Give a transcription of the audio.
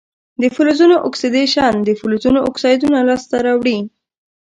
د فلزونو اکسیدیشن د فلزونو اکسایدونه لاسته راوړي.